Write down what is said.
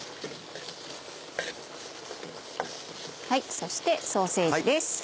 そしてソーセージです。